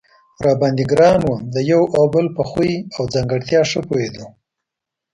را باندې ګران و، د یو او بل په خوی او ځانګړتیا ښه پوهېدو.